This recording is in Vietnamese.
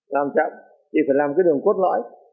làm chậm thì phải làm cái đường cốt lõi